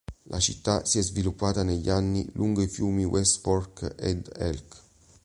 La città si è sviluppata negli anni lungo i fiumi West Fork ed Elk.